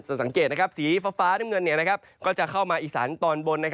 สังเกตสีฟ้าน้ำเงินก็จะเข้ามาอีสานตอนบน